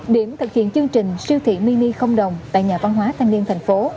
điểm thực hiện chương trình siêu thị mini không đồng tại nhà văn hóa thanh niên thành phố